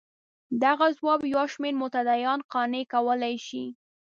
دغه ځواب یو شمېر متدینان قانع کولای شي.